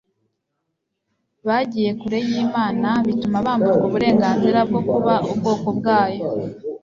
bagiye kure y'Imana, bituma bamburwa uburenganzira bwo kuba ubwoko bwayo.